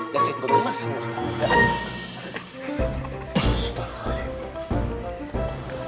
dan saya juga gemes sama ustadz musa